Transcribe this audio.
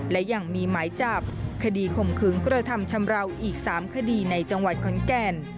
และยังมีหมายจับคดีข่มขืนกระทำชำราวอีก๓คดีในจังหวัดขอนแก่น